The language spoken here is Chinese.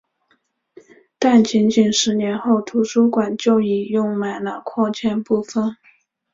但仅仅十年后图书馆就已用满了扩建部分。